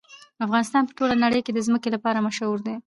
افغانستان په ټوله نړۍ کې د ځمکه لپاره مشهور دی.